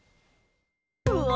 うわ！